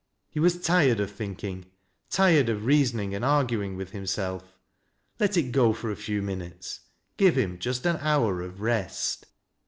He was tired of thinking, — tired of reason ing and arguing with himself. Let it go for a few min utes. Give him just an hour of rest.